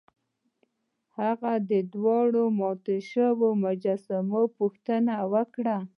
هغه د دواړو ماتو شویو مجسمو پوښتنه وکړه.